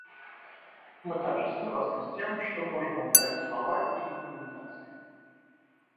Мы также согласны с тем, что можно убрать слова «и рекомендации».